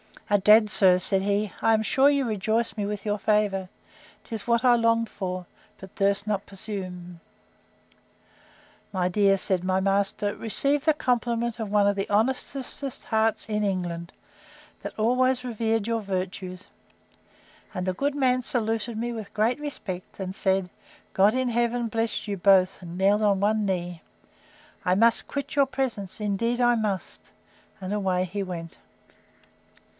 Adad! sir, said he, I am sure you rejoice me with your favour: 'Tis what I longed for, but durst not presume. My dear, said my master, receive the compliment of one of the honestest hearts in England, that always revered your virtues!—and the good man saluted me with great respect, and said, God in Heaven bless you both! and kneeled on one knee. I must quit your presence! Indeed I must!—And away he went.